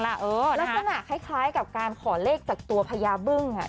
ลักษณะคล้ายกับการขอเลขจากตัวพญาบึ้ง